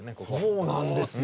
そうなんですよ。